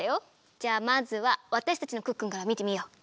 じゃあまずはわたしたちの「クックルン」からみてみよう。